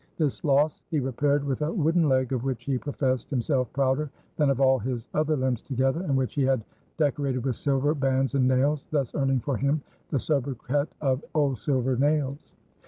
This loss he repaired with a wooden leg, of which he professed himself prouder than of all his other limbs together and which he had decorated with silver bands and nails, thus earning for him the sobriquet of "Old Silver Nails."